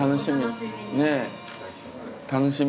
楽しみ。